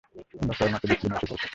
আমরা সবেমাত্র ব্রুকলিনে এসে পৌঁছেছি!